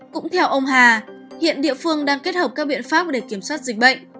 cũng theo ông hà hiện địa phương đang kết hợp các biện pháp để kiểm soát dịch bệnh